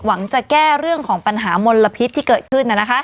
หวังจะแก้เรื่องของปัญหามลพิษที่เกิดขึ้น